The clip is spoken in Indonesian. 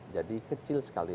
jadi kecil sekali